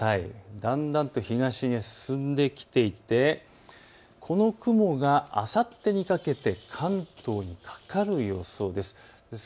だんだんと東に進んできていてこの雲があさってにかけて関東にかかる予想です。